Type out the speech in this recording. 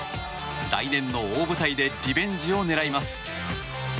来年の大舞台でリベンジを狙います。